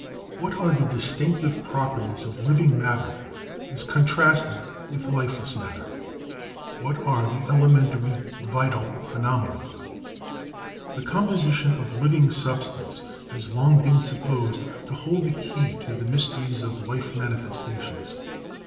What are the distinctive properties of living matter as contrasted with lifeless matter? What are the element ary vital phenomena? The composition of living sub stance has long been supposed to hold the key to the mys teries of life manifestations.